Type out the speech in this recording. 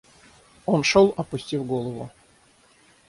Он шел, опустив голову.